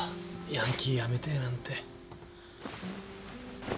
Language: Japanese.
ヤンキーやめてえなんて。